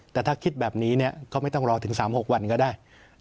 แต่ถ้าคิดแบบนี้ก็ไม่ต้องรอถึง๓๖วันก็ได้